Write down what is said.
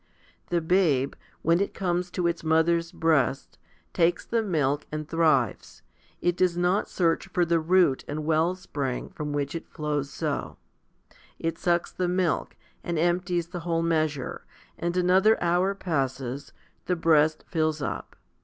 The babe, when it comes to its mother's breast, takes the milk and thrives; it does not search for the root and well spring from which it flows so. It HOMILY XII 95 sucks the milk, and empties the whole'measure ; and another hour passes the breast fills up.